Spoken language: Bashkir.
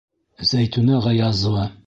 Зәйтүнә ҒАЯЗОВА.